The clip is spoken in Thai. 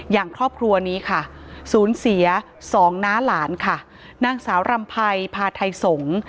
อย่างครอบครัวนี้ค่ะศูนย์เสียสองน้าหลานค่ะนางสาวรำไพรพาไทยสงฆ์